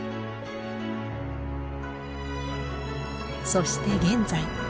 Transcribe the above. そして現在。